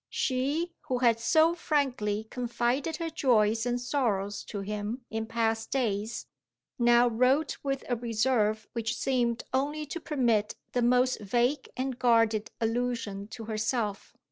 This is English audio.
She, who had so frankly confided her joys and sorrows to him in past days, now wrote with a reserve which seemed only to permit the most vague and guarded allusion to herself.